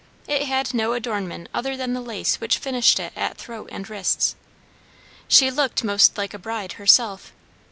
It had no adornment other than the lace which finished it at throat and wrists; she looked most like a bride herself.